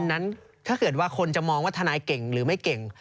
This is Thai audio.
นั้นถ้าเกิดว่าคนจะมองว่าทนายเก่งหรือไม่เก่ง